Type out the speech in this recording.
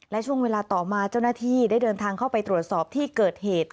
และช่วงเวลาต่อมาเจ้าหน้าที่ได้เดินทางเข้าไปตรวจสอบที่เกิดเหตุ